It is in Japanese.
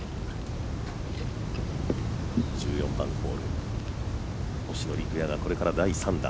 １４番ホール、星野陸也がこれから第３打。